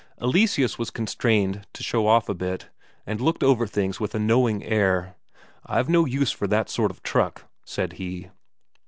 Eleseus was constrained to show off a bit, and looked over things with a knowing air. "I've no use for that sort of truck," said he.